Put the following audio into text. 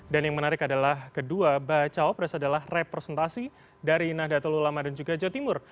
dan yang menarik adalah kedua cawapres adalah representasi dari nahdlatul ulama dan juga jawa timur